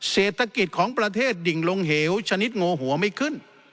เศรษฐกิจของประเทศดิ่งลงเหวชนิดโงหัวไม่ขึ้น